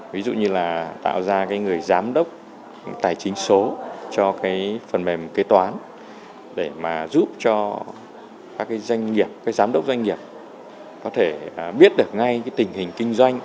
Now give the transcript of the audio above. ví dụ như là tạo ra người giám đốc tài chính số cho phần mềm kế toán để giúp cho các giám đốc doanh nghiệp có thể biết được ngay tình hình kinh doanh